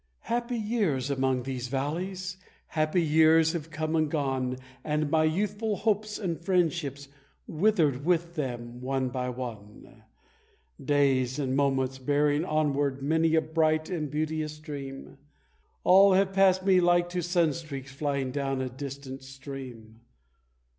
Happy years, amongst these valleys, happy years have come and gone, And my youthful hopes and friendships withered with them one by one; Days and moments bearing onward many a bright and beauteous dream, All have passed me like to sunstreaks flying down a distant stream.